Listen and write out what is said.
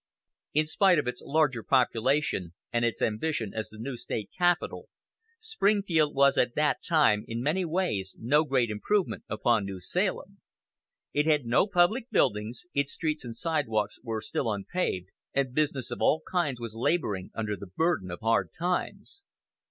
In spite of its larger population and its ambition as the new State capital, Springfield was at that time in many ways no great improvement upon New Salem. It had no public buildings, its streets and sidewalks were still unpaved, and business of all kinds was laboring under the burden of hard times.